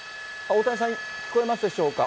大谷さん、聞こえますでしょうか。